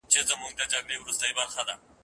کله سرې لمبې له مځکي پورته کېږي